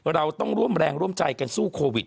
เราต้องร่วมแรงร่วมใจกันสู้โควิด